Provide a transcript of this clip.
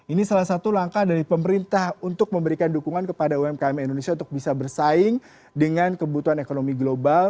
ini salah satu langkah dari pemerintah untuk memberikan dukungan kepada umkm indonesia untuk bisa bersaing dengan kebutuhan ekonomi global